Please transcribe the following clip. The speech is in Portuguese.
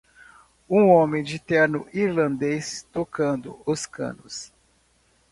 Um homem de terno irlandês tocando os canos.